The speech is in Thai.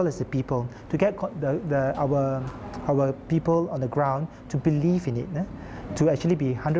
และเป็นคนสำคัญ